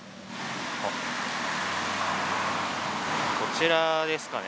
あっこちらですかね。